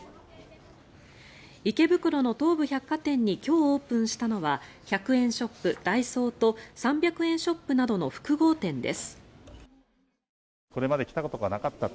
池袋の東武百貨店に今日、オープンしたのは１００円ショップ、ダイソーと３００円ショップなどの複合店です。